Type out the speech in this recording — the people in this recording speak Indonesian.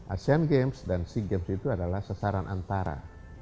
asean games dan sea games itu adalah sasaran antara